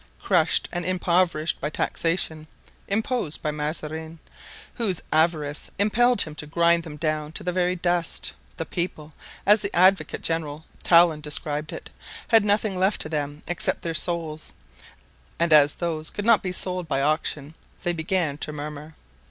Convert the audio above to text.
Crushed and impoverished by taxation—imposed by Mazarin, whose avarice impelled him to grind them down to the very dust—the people, as the Advocate General Talon described it, had nothing left to them except their souls; and as those could not be sold by auction, they began to murmur.